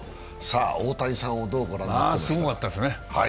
大谷さんをどうご覧になっていますか。すごかったですね。